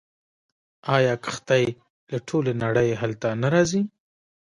آیا کښتۍ له ټولې نړۍ هلته نه راځي؟